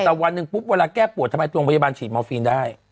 แต่วันหนึ่งปุ๊บเวลาแก้ปวดทำไมโรงพยาบาลฉีดมอร์ฟีนได้